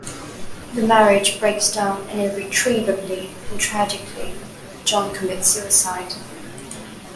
Their marriage breaks down and irretrievably and tragically, John commits suicide.